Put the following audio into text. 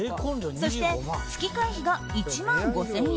そして、月会費が１万５０００円。